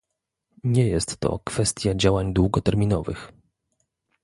Nie jest to kwestia działań długoterminowych